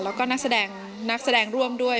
แล้วก็นักแสดงร่วมด้วย